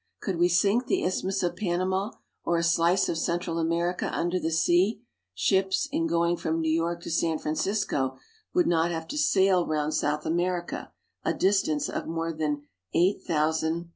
Could we sink the Isthmus of Panama or a slice of Central America under the sea, ships, in going from New York to San Francisco, would not have to sail round South America, a distance of more than eight thou 352 CENTRAL AMERICA.